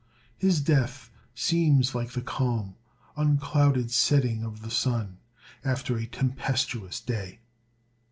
His death seems like the calm, unclouded setting of the sun, after a tempestuous day.